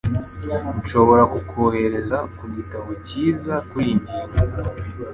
Nshobora kukwohereza ku gitabo cyiza kuriyi ngingo.